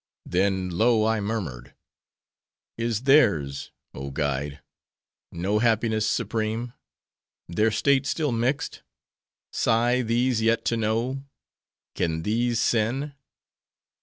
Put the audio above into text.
"Then low I murmured:—'Is their's, oh guide! no happiness supreme? their state still mixed? Sigh these yet to know? Can these sin?